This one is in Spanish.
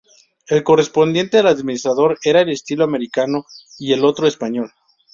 El correspondiente al administrador era de estilo americano y el otro, español.